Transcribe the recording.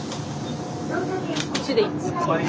こっちでいいの？